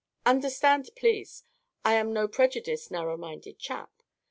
Understand, please, I am no prejudiced, narrow minded chap.